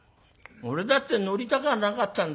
俺だって乗りたくはなかったんだよ。